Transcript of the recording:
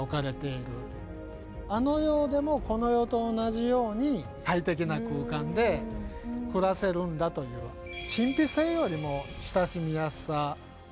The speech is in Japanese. あの世でもこの世と同じように快適な空間で暮らせるんだという神秘性よりも親しみやすさオープンさですよね。